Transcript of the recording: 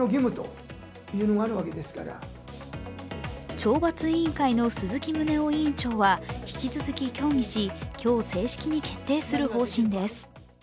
懲罰委員会の鈴木宗男委員長は引き続き協議し今日、正式に決定する方針です。